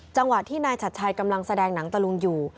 จังหวะที่นายชัดชัยกำลังแสดงหนังตะลุงอยู่